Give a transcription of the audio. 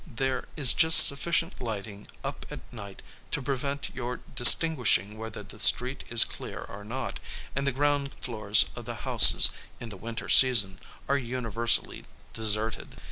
There is just sufficient lighting up at night to prevent your distinguishing whether the street is clear or not: and the ground floors of the houses, in the winter season, are universally deserted.